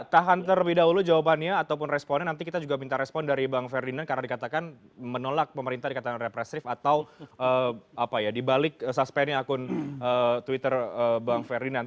tahan terlebih dahulu jawabannya ataupun responnya nanti kita juga minta respon dari bang ferdinand karena dikatakan menolak pemerintah dikatakan represif atau dibalik suspennya akun twitter bang ferdinand